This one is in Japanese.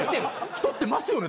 太ってますよね？